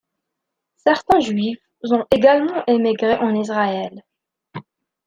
Certains Juifs ont également émigré en Israël.